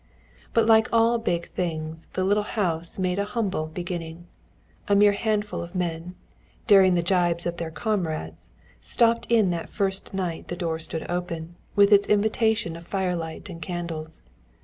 But like all big things the little house made a humble beginning. A mere handful of men, daring the gibes of their comrades, stopped in that first night the door stood open, with its invitation of firelight and candles.